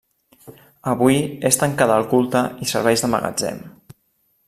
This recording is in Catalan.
Avui és tancada al culte i serveix de magatzem.